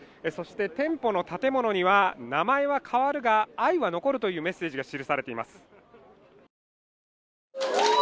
店舗の建物には「名前は変わるが、愛は残る」というメッセージが記されています。